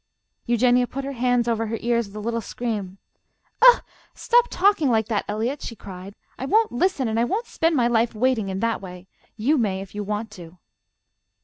Eugenia put her hands over her ears with a little scream. "Stop talking like that, Eliot," she cried. "I won't listen, and I won't spend my life waiting in that way. You may if you want to."